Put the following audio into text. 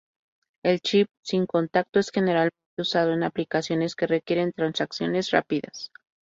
El "chip" sin contacto es generalmente usado en aplicaciones que requieren transacciones rápidas.